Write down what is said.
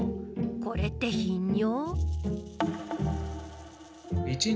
これって頻尿？